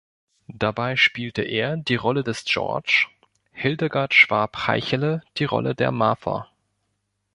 Dabei spielte er die Rolle des "George", Hildegard Schwab-Heichele die Rolle der "Martha".